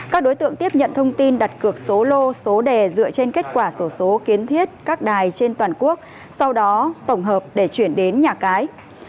các đối tượng tiếp nhận thông tin đặt cược số lô số đề dựa trên kết quả sổ số kiến thiết các đài trên toàn quốc sau đó tổng hợp để chuyển đến nhà cái